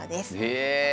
え！